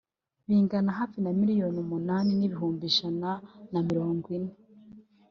bingana hafi na miliyoni umunani n’ibihumbi ijana na mirongo ine